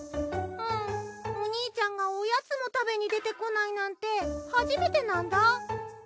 うんお兄ちゃんがおやつも食べに出てこないなんて初めてなんだ。